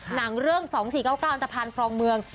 หนังเรื่อง๒๔๙๙อันตภัณฑ์ครองเมือง